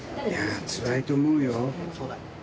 つらいと思うよ。